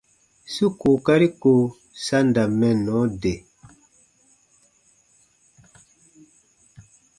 Su kookari ko sa n da mɛnnɔ de.